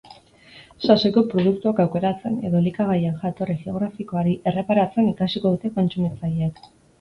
Sasoiko produktuak aukeratzen edo elikagaien jatorri geografikoari erreparatzen ikasiko dute kontsumitzaileek.